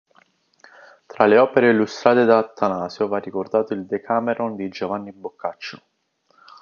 Tra le opere illustrate da Attanasio va ricordato il "Decameron" di Giovanni Boccaccio.